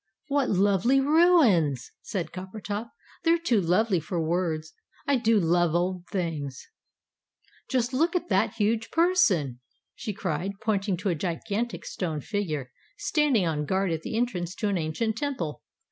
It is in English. "What lovely ruins!" said Coppertop. "They're too lovely for words! I do love old things!" "Just look at that huge person!" she cried, pointing to a gigantic stone figure, standing on guard at the entrance to an ancient temple.